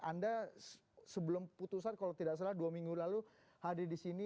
anda sebelum putusan kalau tidak salah dua minggu lalu hadir di sini